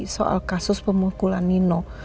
soal kasus pemukulan nino